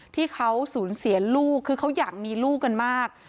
ที่เขาสูญเสียลูกคือเขาอยากมีลูกกันมาก